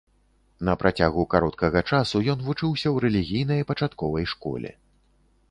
На працягу кароткага часу ён вучыўся ў рэлігійнай пачатковай школе.